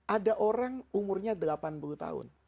ada orang umurnya delapan puluh tahun